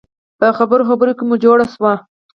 په خبرو خبرو کې مو جوړه شوه.